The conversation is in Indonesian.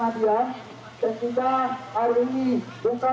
maka dari kawan kawan semua yang di belakang